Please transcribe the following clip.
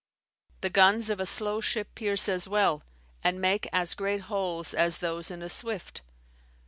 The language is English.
The guns of a slow ship pierce as well, and make as great holes, as those in a swift.